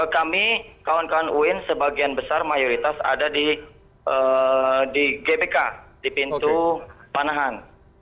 kami kawan kawan uin sebagian besar mayoritas ada di gbk di pintu panahan